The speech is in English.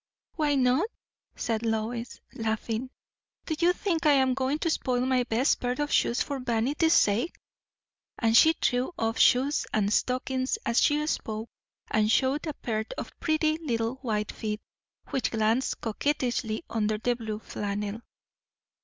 "Why not?" said Lois, laughing. "Do you think I am going to spoil my best pair of shoes for vanity's sake?" And she threw off shoes and stockings as she spoke, and showed a pair of pretty little white feet, which glanced coquettishly under the blue flannel.